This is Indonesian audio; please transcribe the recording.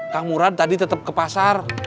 kak murad tadi tetep ke pasar